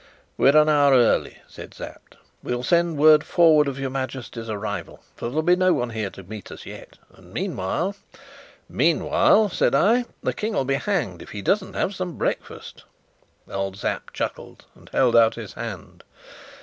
"We're an hour early," said Sapt. "We'll send word forward for your Majesty's arrival, for there'll be no one here to meet us yet. And meanwhile " "Meanwhile," said I, "the King'll be hanged if he doesn't have some breakfast." Old Sapt chuckled, and held out his hand.